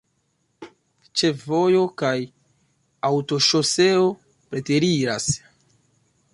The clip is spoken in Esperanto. Ĉefvojo kaj aŭtoŝoseo preteriras.